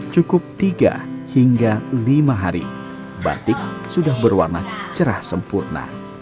cukup tiga hingga lima hari batik sudah berwarna cerah sempurna